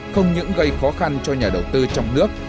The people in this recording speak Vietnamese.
không những gây khó khăn cho nhà đầu tư trong nước